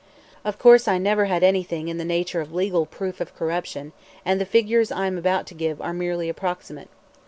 Of course I never had anything in the nature of legal proof of corruption, and the figures I am about to give are merely approximate.